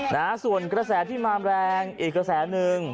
นะฮะส่วนกระแสที่มาแรงอีกกระแสหนึ่ง